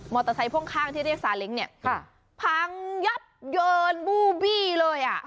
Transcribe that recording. มอเตอร์ไซส์พ่วงข้างที่เรียกสาเล็งเนี่ยภังเล่าเยินบู่บี้เลยอะ